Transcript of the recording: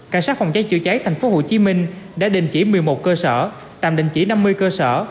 cảnh sát phòng cháy chữa cháy tp hcm đã đình chỉ một mươi một cơ sở tạm đình chỉ năm mươi cơ sở